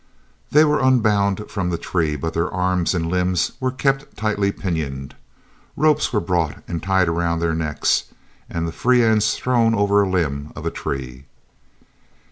They were unbound from the tree, but their arms and limbs were kept tightly pinioned. Ropes were brought and tied around their necks, and the free ends thrown over a limb of the tree.